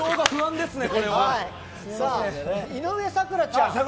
井上咲楽ちゃん